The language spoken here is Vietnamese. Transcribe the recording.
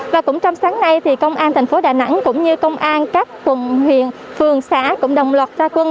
và cũng trong sáng nay công an tp đà nẵng cũng như công an các quận huyện phường xã cũng đồng loạt gia quân